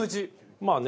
まあね。